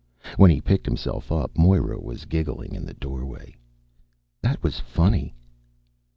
When he picked himself up, Moira was giggling in the doorway. "That was funny."